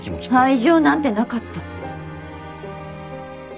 愛情なんてなかった。